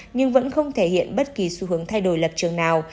nhưng vẫn không thể hiện bất kỳ xu hướng thay đổi lập trường nào